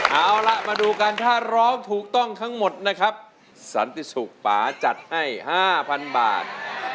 เอาล่ะมาดูกันถ้าร้องถูกต้องทั้งหมดนะครับสันติสุขป่าจัดให้๕๐๐๐บาท